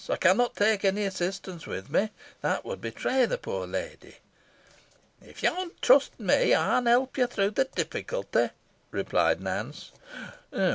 I cannot take any assistance with me. That would betray the poor lady." "If yo'n trust me, ey'n help yo through the difficulty," replied Nance.